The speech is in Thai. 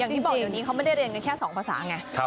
ยังคิดว่าเดี๋ยวนี้ไม่ได้เรียนกันแค่๒ภาษาอย่างงี้